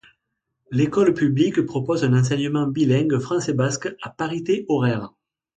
L'école publique propose un enseignement bilingue français-basque à parité horaire.